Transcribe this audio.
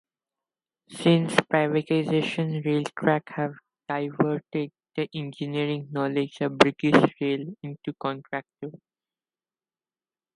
Since privatisation, Railtrack had divested the engineering knowledge of British Rail into contractors.